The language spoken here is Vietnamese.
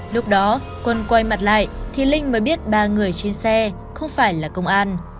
lúc đó quân quay mặt lại thì linh mới biết ba người trên xe không phải là công an